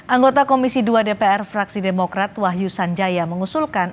anggota komisi dua dpr fraksi demokrat wahyu sanjaya mengusulkan